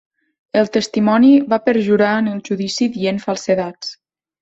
El testimoni va perjurar en el judici dient falsedats.